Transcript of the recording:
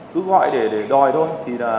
cứ gọi để đòi thôi